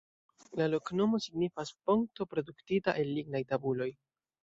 La loknomo signifas: "ponto produktita el lignaj tabuloj".